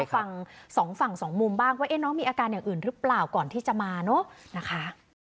ฟังสองฝั่งสองมุมบ้างว่าน้องมีอาการอย่างอื่นหรือเปล่าก่อนที่จะมาเนอะนะคะ